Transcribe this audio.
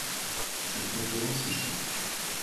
Cette conférence échoue.